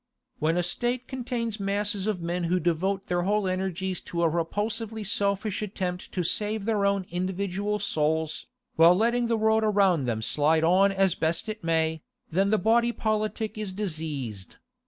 When a State contains masses of men who devote their whole energies to a repulsively selfish attempt to save their own individual souls, while letting the world around them slide on as best it may, then the body politic is diseased.